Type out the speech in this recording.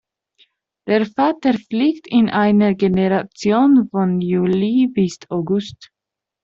Der Falter fliegt in einer Generation von Juli bis August.